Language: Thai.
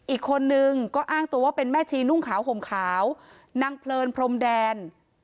อีกคนนึงก็อ้างตัวว่าเป็นแม่ชีนุ่งขาวห่มขาวนางเพลินพรมแดน